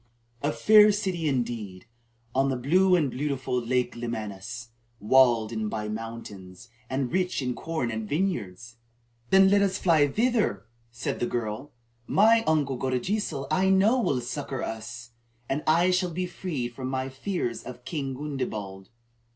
"A fair city indeed, on the blue and beautiful Lake Lemanus, walled in by mountains, and rich in corn and vineyards." "Then let us fly thither," said the girl. "My uncle Godegesil I know will succor us, and I shall be freed from my fears of King Gundebald."